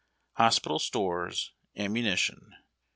Hospital stores, ammunition.